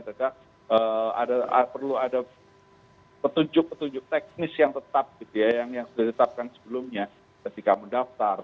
saya kira perlu ada petunjuk petunjuk teknis yang tetap gitu ya yang sudah ditetapkan sebelumnya ketika mendaftar